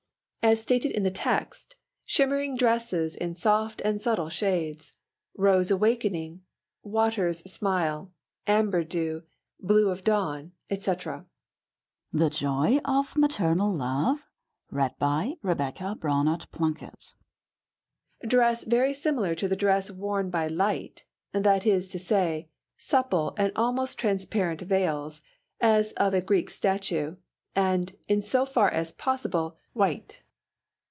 As stated in the text, shimmering dresses in soft and subtle shades: rose awakening, water's smile, amber dew, blue of dawn, etc. MATERNAL LOVE. Dress very similar to the dress worn by Light, that is to say, supple and almost transparent veils, as of a Greek statue, and, in so far as possible, white.